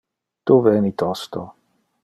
Tu veni tosto.